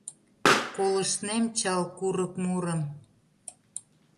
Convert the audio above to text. Колыштнем чал курык мурым.